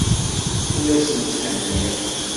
Ur asent-tthenniɣ.